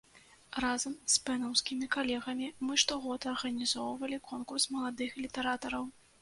Разам з пэнаўскімі калегамі мы штогод арганізоўвалі конкурс маладых літаратараў.